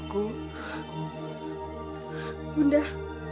aku mendengar teriakan ada apa